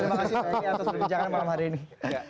terima kasih banyak atas perbincangan malam hari ini